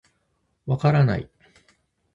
分からない。